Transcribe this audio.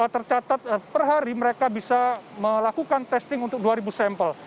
tercatat per hari mereka bisa melakukan testing untuk dua ribu sampel